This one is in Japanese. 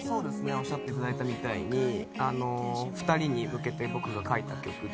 おっしゃって頂いたみたいに２人に向けて僕が書いた曲で。